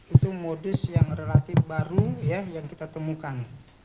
itu modus yang relatif baru yang kita temukan